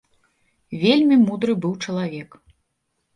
Вельмі мудры быў чалавек.